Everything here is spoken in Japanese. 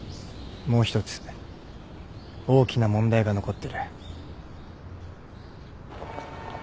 もう一つ大きな問題が残ってる。